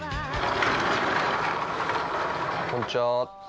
こんにちは。